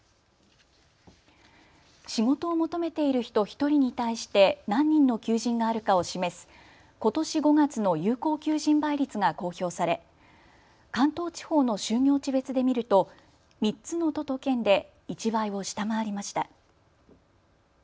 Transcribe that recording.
仕事を求めている人１人に対して何人の求人があるかを示すことし５月の有効求人倍率が公表され関東地方の就業地別で見ると３つの都と県で１倍を下回りました。